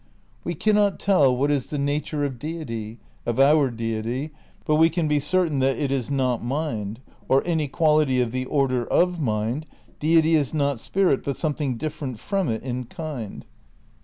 * "We cannot tell what is the nature of deity, of our deity, but we can be certain that it is not mind ... or any quality of the order of mind, deity is not spirit, but something different from it in kind.